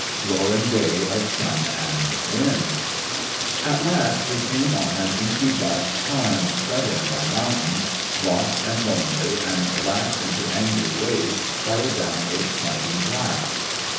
ROARING DAY OF SUN AND WIND At last we came on an inky black tarn, shut in by mountains, locked and lonely and lashed into angry waves by a downward smiting blast.